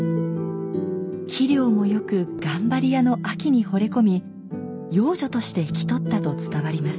器量も良く頑張り屋のあきにほれ込み養女として引き取ったと伝わります。